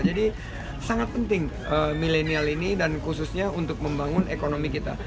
jadi sangat penting milenial ini dan khususnya untuk membangun ekonomi kita